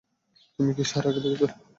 তুমি কি সারাকে দেখেছ?